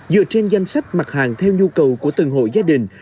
dựa trên danh sách mặt hàng theo nhu cầu của từng hội gia đình